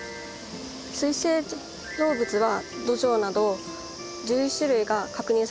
水生動物はドジョウなど１１種類が確認されております。